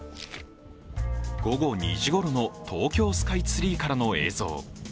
午後２時ごろの東京スカイツリーからの映像。